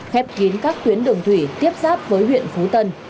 khép kín các tuyến đường thủy tiếp giáp với huyện phú tân